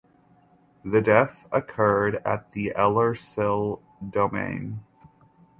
The death occurred at the Ellerslie Domain.